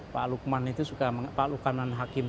pak lukman itu suka pak lukanan hakim